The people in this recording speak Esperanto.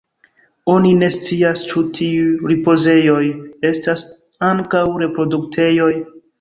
Oni ne scias ĉu tiuj ripozejoj estas ankaŭ reproduktejoj.